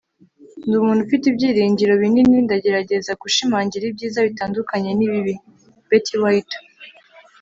ndi umuntu ufite ibyiringiro binini. ndagerageza gushimangira ibyiza bitandukanye n'ibibi. - betty white